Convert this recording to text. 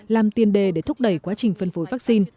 làm tiền đề để thúc đẩy quá trình phân phối vắc xin